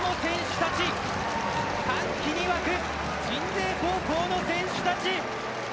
そして、歓喜に沸く鎮西高校の選手たち。